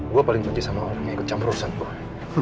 gue paling benci sama orang yang ikut campur urusan gue